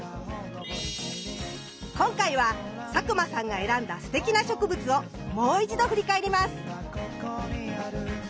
今回は佐久間さんが選んだすてきな植物をもう一度振り返ります。